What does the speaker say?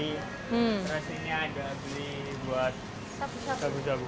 terus ini ada beli buat sabu sabu